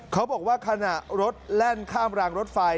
เขาบอกว่าขณะรถแล่นข้ามรางรถไฟ